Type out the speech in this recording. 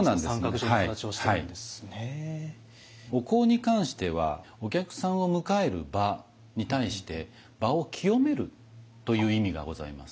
お香に関してはお客さんを迎える場に対して場を清めるという意味がございます。